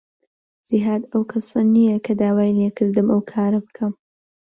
جیهاد ئەو کەسە نییە کە داوای لێ کردم ئەو کارە بکەم.